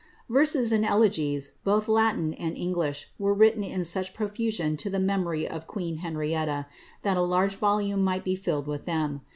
Verses and elegies, both Latin and English, were written in such pro fusion to the memory of queen Henrietta, that a lai^ge volume mifhl be filled with them.